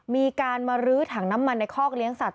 มีการมาลื้อถังน้ำมันในคอกเลี้ยสัต